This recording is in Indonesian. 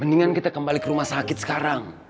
mendingan kita kembali ke rumah sakit sekarang